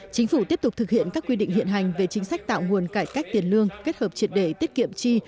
chính phủ tiếp tục thực hiện các quy định hiện hành về chính sách tạo nguồn cải cách tiền lương kết hợp triệt để tiết kiệm chi